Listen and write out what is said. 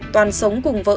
toàn sống cùng vợ